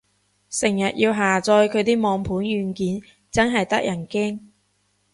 成日要下載佢啲網盤軟件，真係得人驚